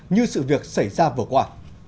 như sự việc xảy ra vừa qua